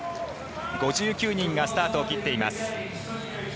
５９人がスタートを切っています。